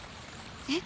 えっ？